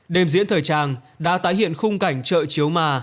đêm diễn thời trang đã tái hiện khung cảnh chợ chiếu mà